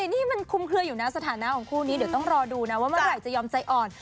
นี่มันคุมเคลืออยู่นะสถานะของคู่นี้เดี๋ยวต้องรอดูนะว่าเมื่อไหร่จะยอมใจอ่อน